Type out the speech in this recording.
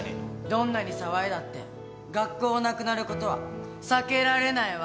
どんなに騒いだって学校なくなることは避けられないわけだし。